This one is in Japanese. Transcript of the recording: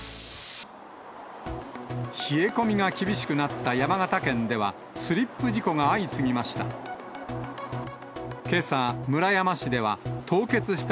冷え込みが厳しくなった山形県では、スリップ事故が相次ぎました。